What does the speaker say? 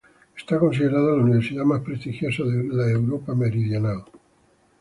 Es considerada la universidad más prestigiosa de Europa meridional.